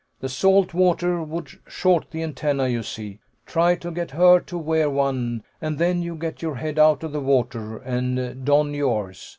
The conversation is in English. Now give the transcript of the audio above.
"The salt water would short the antennae, you see. Try to get her to wear one, and then you get your head out of water, and don yours.